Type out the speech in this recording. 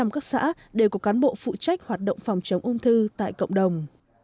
một trăm linh các xã đều có cán bộ phụ trách hoạt động phòng chống ung thư tại cộng đồng